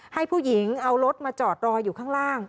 ให้ผู้หญิงเอารถมาจอดรออยู่ข้างล่าง